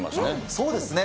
そうですね。